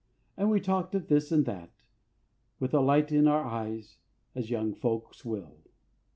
And we talked of this and that, with a light in our eyes, as young folks will.